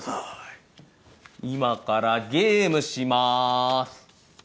今からゲームしまーす。